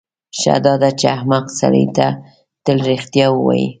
ښه داده چې احمق سړی تل رښتیا ووایي.